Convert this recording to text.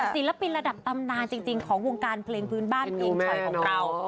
ศิลปินระดับตำนานจริงของวงการเพลงพื้นบ้านเพลงฉ่อยของเรา